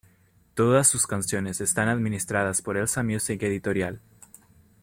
Todas sus canciones están administradas por Elsa Music Editorial.